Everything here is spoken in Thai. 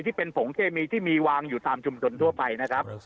ที่เป็นผงเคมีที่มีวางอยู่ตามชุมชนทั่วไปนะครับ